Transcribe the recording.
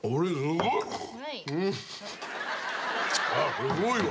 すごいわ。